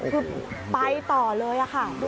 คือไปต่อเลยค่ะ